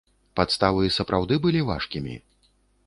Падставы сапраўды былі важкімі?